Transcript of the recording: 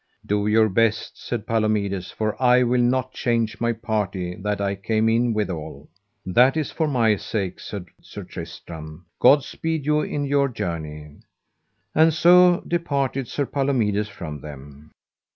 Do your best, said Palomides, for I will not change my party that I came in withal. That is for my sake, said Sir Tristram; God speed you in your journey. And so departed Sir Palomides from them.